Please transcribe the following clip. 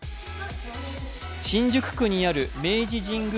新宿区にある明治神宮